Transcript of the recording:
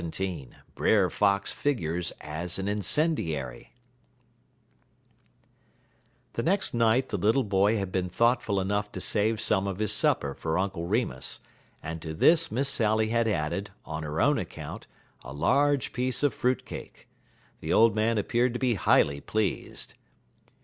XVII BRER FOX FIGURES AS AN INCENDIARY The next night the little boy had been thoughtful enough to save some of his supper for Uncle Remus, and to this "Miss Sally" had added, on her own account, a large piece of fruit cake. The old man appeared to be highly pleased.